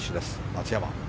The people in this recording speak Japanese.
松山。